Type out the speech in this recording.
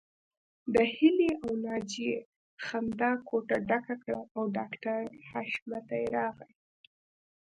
د هيلې او ناجيې خندا کوټه ډکه کړه او ډاکټر حشمتي راغی